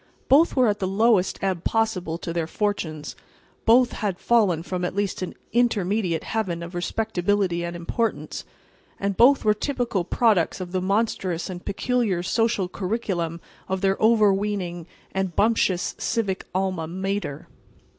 Both were at the lowest ebb possible to their fortunes; both had fallen from at least an intermediate Heaven of respectability and importance, and both were typical products of the monstrous and peculiar social curriculum of their overweening and bumptious civic alma mater.